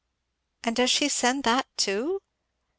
"And does she send that too?"